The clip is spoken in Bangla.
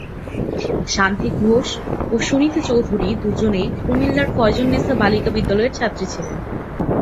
শান্তি ঘোষ ও সুনীতি চৌধুরী দুজনেই কুমিল্লার ফয়জুন্নেসা বালিকা বিদ্যালয়ের ছাত্রী ছিলেন।